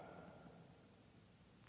yang ketiga kegiatan pemerintahan